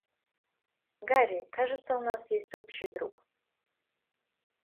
Гарри, кажется, у нас есть общий друг.